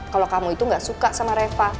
kalau kamu itu gak suka sama reva